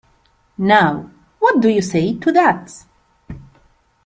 Now, what do you say to that?